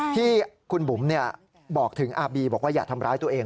ที่คุณบุ๋มบอกถึงอาร์บีบอกว่าอย่าทำร้ายตัวเอง